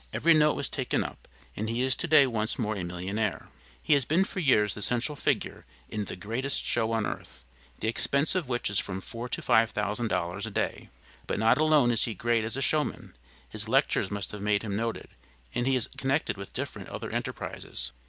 Every note was taken up, and he is to day once more a millionaire. He has been for years the central figure in 'The Greatest Show on Earth,' the expense of which is from four to five thousand dollars a day. But not alone is he great as a showman; his lectures must have made him noted, and he is connected with different other enterprises.